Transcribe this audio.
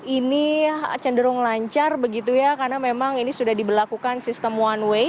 ini cenderung lancar begitu ya karena memang ini sudah diberlakukan sistem one way